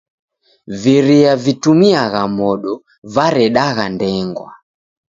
Viria vitumiagha modo varedagha ndengwa.